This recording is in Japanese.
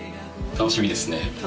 楽しみです。